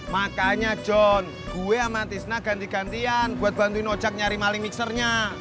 makanya john gue sama tisna ganti gantian buat bantuin ocak nyari maling mixernya